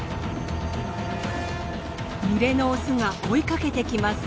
群れのオスが追いかけてきます。